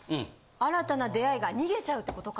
新たな出会いが逃げちゃうってことか。